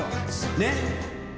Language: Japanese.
ねっ